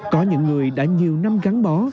có những người đã nhiều năm gắn bó